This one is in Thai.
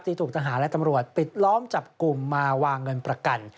ถูกทหารและตำรวจปิดล้อมจับกลุ่มมาวางเงินประกัน